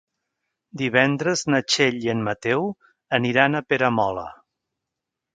Divendres na Txell i en Mateu aniran a Peramola.